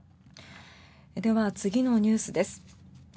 では、次のニュースです。